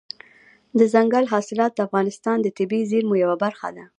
دځنګل حاصلات د افغانستان د طبیعي زیرمو یوه برخه ده.